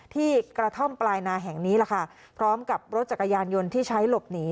ที่กระท่อมปลายนาแห่งนี้แหละค่ะพร้อมกับรถจักรยานยนต์ที่ใช้หลบหนี